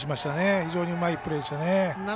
非常にうまいプレーでした。